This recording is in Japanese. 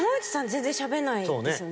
全然しゃべんないですよね。